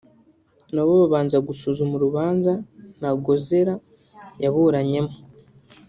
nabo babanza gusuzuma urubanza Ntagozera yaburanyemo